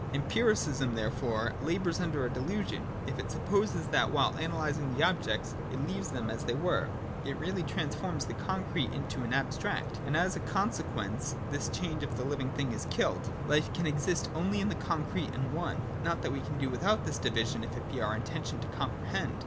Empiricism there fore labours under a delusion, if it supposes that, while analysing the objects, it leaves them as they were : it really transforms the concrete into an abstract. And as a conse quence of this change the living thing is killed : life can I ^o SECOND ATTITUDE TO OBJECTIVITY. [38. exist only in the concrete and one. Not that we can do without this division, if it be our intention to comprehend.